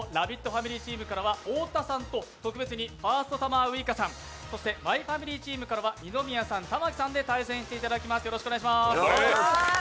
ファミリーチームからは太田さんと特別にファーストサマーウイカさん、そして「マイファミリー」チームからは二宮さん、玉木さんで対戦していただきます。